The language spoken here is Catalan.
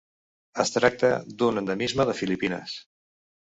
Es tracta d'un endemisme de Filipines.